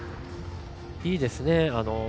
いいですね。